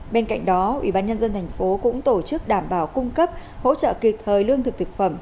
bên cạnh đó ubnd tp cũng tổ chức đảm bảo cung cấp hỗ trợ kịp thời lương thực thực phẩm